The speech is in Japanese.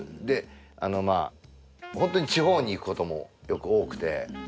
でホントに地方に行くことも多くて。